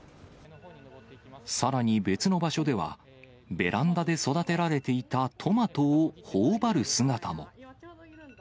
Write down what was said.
さらに別の場所では、ベランダで育てられていたトマトをほおばる姿も。